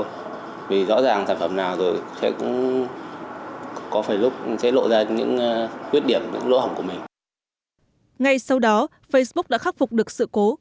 trong thời gian gần đây facebook đã khắc phục được sự cố